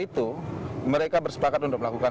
itu mereka bersepakat untuk melakukan